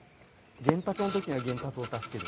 原発の時には原発を助ける。